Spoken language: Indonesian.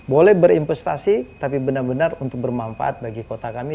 boleh berinvestasi tapi benar benar untuk bermanfaat bagi kota kami